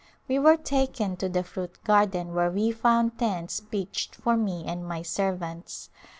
We were taken to the fruit garden where we found tents pitched for me and my servants.